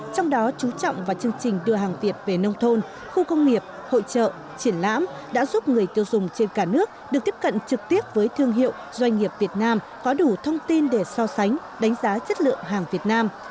trong đó chú trọng vào chương trình đưa hàng việt về nông thôn khu công nghiệp hội trợ triển lãm đã giúp người tiêu dùng trên cả nước được tiếp cận trực tiếp với thương hiệu doanh nghiệp việt nam có đủ thông tin để so sánh đánh giá chất lượng hàng việt nam